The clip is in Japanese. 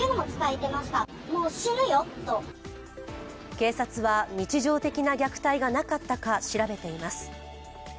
警察は日常的な虐待がなかったか調べています。